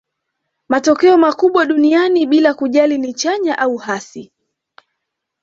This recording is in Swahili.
matokeo makubwa duniani bila kujali ni chanya au hasi